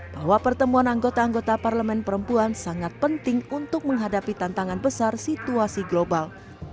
bahwa pertemuan anggota anggota parlemen perempuan sangat penting untuk menghadapi tantangan besar situasi global